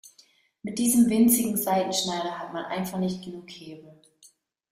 Mit diesem winzigen Seitenschneider hat man einfach nicht genug Hebel.